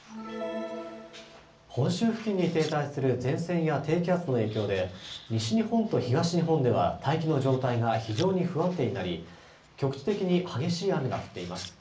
本州付近に停滞する前線や低気圧の影響で西日本と東日本では大気の状態が非常に不安定になり、局地的に激しい雨が降っています。